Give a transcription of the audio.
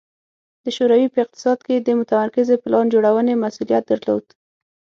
د شوروي په اقتصاد کې د متمرکزې پلان جوړونې مسوولیت درلود